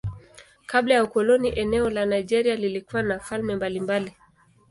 Kabla ya ukoloni eneo la Nigeria lilikuwa na falme mbalimbali.